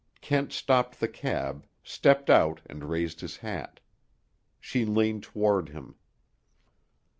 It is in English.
Kent stopped the cab, stepped out and raised his hat. She leaned toward him.